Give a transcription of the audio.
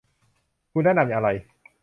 คุณแนะนำอะไร